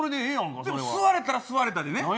座れたら座れたでね